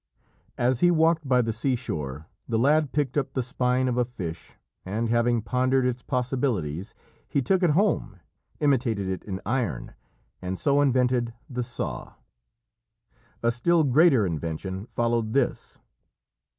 As he walked by the seashore, the lad picked up the spine of a fish, and, having pondered its possibilities, he took it home, imitated it in iron, and so invented the saw. A still greater invention followed this.